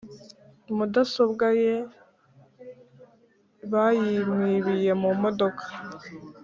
Mudasobwa ye bayimwibiye mu modoka